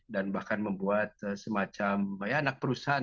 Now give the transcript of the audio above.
dan bahkan membuat semacam ya anak perusahaan